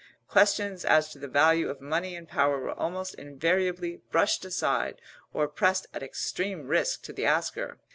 Questions as to the value of money and power were almost invariably brushed aside, or pressed at extreme risk to the asker.